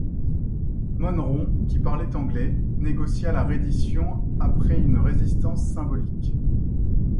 Monneron, qui parlait anglais, négocia la reddition après une résistance symbolique.